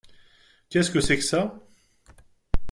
Qu’est que c’est que ça ?